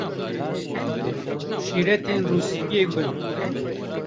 Şîretên Rûspiyê Gund